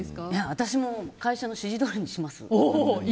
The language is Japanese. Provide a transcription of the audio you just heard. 私も会社の指示通りにします。